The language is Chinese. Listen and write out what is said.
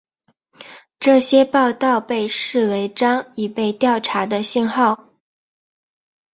这些报道被视为张已被调查的信号。